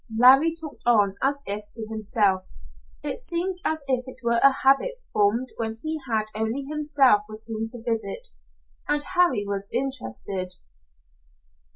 Larry talked on as if to himself. It seemed as if it were a habit formed when he had only himself with whom to visit, and Harry was interested.